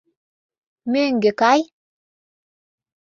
— Мӧҥгӧ кай!